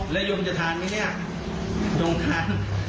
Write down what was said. ระยมเจอทานมั้ยเนี่ยต้องทาน